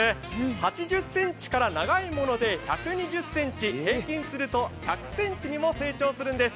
８０ｃｍから、長いもので１２０ｃｍ、平均すると１００ｃｍにも成長するんです。